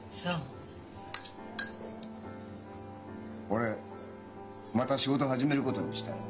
俺また仕事始めることにしたよ。